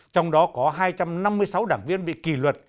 trong đó có hai trăm năm mươi sáu đảng viên bị kỳ luật